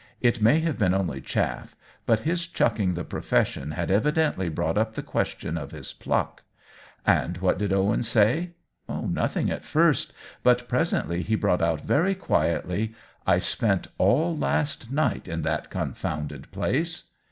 It may have been only chaff, but his chuck ing the profession had evidently brought up the question of his pluck." " And what did Owen say ?"" Nothing at first ; but presently he brought ' out very quietly :* I spent all last night in the confounded place.'